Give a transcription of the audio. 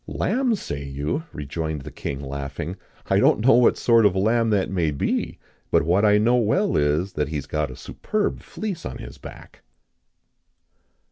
"Lamb, say you?" rejoined the king, laughing; "I don't know what sort of a lamb that may be; but what I know well is, that he has got a superb fleece on his back."